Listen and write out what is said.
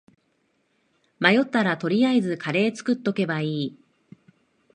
迷ったら取りあえずカレー作っとけばいい